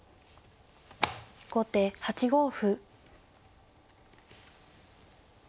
後手８五歩。